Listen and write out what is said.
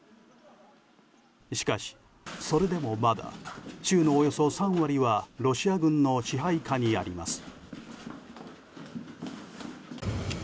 しかし、それでもまだ州のおよそ３割はロシア軍の支配下にあります。